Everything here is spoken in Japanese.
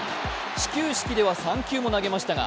始球式では３球も投げましたが、